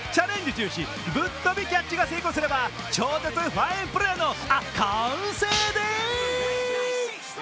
精神、ぶっ飛びキャッチが成功すれば、超絶ファインプレーの完成でぃ！